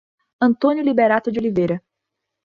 Antônio Liberato de Oliveira